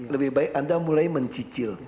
lebih baik anda mulai mencicil